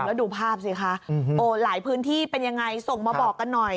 แล้วดูภาพสิคะโอ้หลายพื้นที่เป็นยังไงส่งมาบอกกันหน่อย